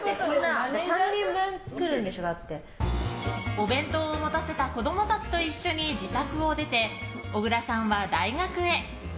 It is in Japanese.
お弁当を持たせた子供たちと一緒に自宅を出て小倉さんは大学へ。